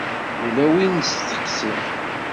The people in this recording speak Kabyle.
Ula wi nesteqsi.